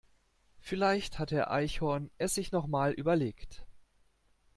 Vielleicht hat Herr Eichhorn es sich noch mal überlegt.